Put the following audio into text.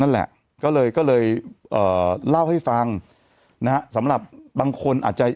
นั่นแหละก็เลยก็เลยเอ่อเล่าให้ฟังนะฮะสำหรับบางคนอาจจะ